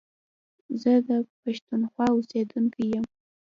زه د پښتونخوا اوسېدونکی يم